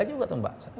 d tiga juga tuh mbak